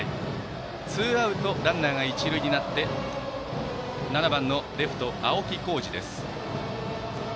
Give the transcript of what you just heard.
ツーアウトランナー、一塁になってバッターは７番のレフト、青木虎仁です。